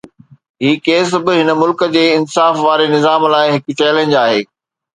هي ڪيس به هن ملڪ جي انصاف واري نظام لاءِ هڪ چئلينج آهي.